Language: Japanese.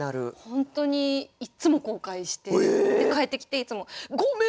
本当にいっつも後悔して帰ってきていつも「ごめん！何か」。